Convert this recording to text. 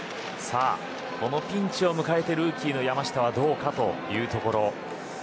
このピンチを迎えてルーキーの山下どうかというところ。